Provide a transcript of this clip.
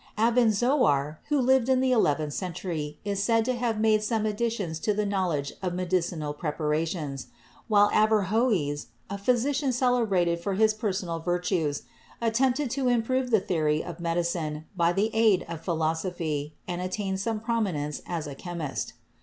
Avenzoar, who lived in the eleventh century, is said to have made some additions to the knowledge of medicinal preparations, while Averrhoes, a physician celebrated for his personal virtues, attempted to improve the theory of medicine by the aid of philosophy and attained some prominence as a chemist.